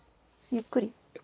ゆっくり。